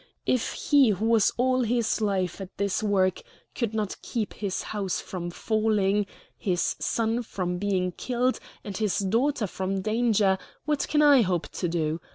If he who was all his life at this work could not keep his house from falling, his son from being killed, and his daughter from danger, what can I hope to do?